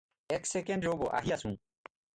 এক ছেকেণ্ড ৰ'ব, আহি আছোঁ।